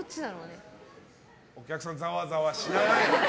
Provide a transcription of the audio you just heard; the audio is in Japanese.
お客さんざわざわしない。